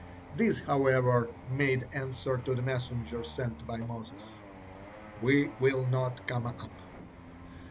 These, however, made answer to the messenger sent by Moses, "We will not come up!"